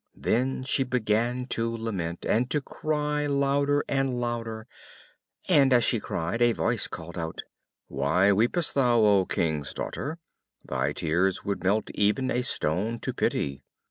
Then she began to lament, and to cry louder and louder; and, as she cried, a voice called out, "Why weepest thou, O King's daughter? thy tears would melt even a stone to pity."